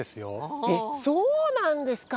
そうなんですか！